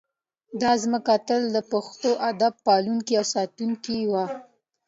دا ځمکه تل د پښتو ادب پالونکې او ساتونکې وه